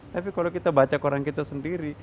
tapi kalau kita baca koran kita sendiri